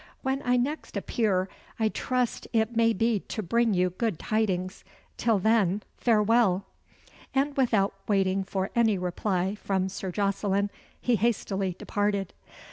When I next appear, I trust it may be to bring you good tidings. Till then, farewell." And without waiting for any reply from Sir Jocelyn, he hastily departed.